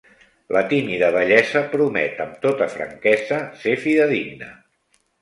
La tímida bellesa promet amb tota franquesa ser fidedigna.